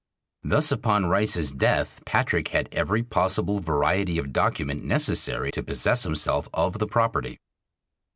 Thus upon Rice's death Patrick had every possible variety of document necessary to possess himself of the property.